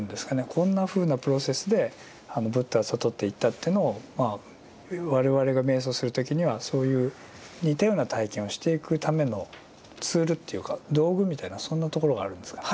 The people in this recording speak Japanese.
こんなふうなプロセスでブッダは悟っていったというのをまあ我々が瞑想する時にはそういう似たような体験をしていくためのツールというか道具みたいなそんなところがあるんですか。